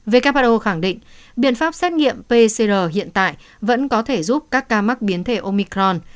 who khẳng định biện pháp xét nghiệm pcr hiện tại vẫn có thể giúp các ca mắc biến thể omicron